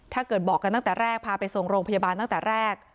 ถ้าเกิดบอกกันตั้งแต่แรกพาไปส่งโรงพยาบาลตั้งแต่แรก